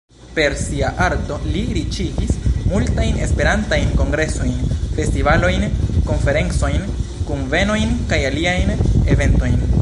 Per sia arto li riĉigis multajn Esperantajn kongresojn, festivalojn, konferencojn, kunvenojn kaj aliajn eventojn.